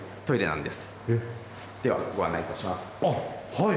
はい。